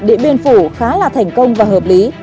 điện biên phủ khá là thành công và hợp lý